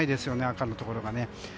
赤のところがね。